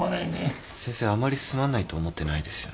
先生あまりすまないと思ってないですよね。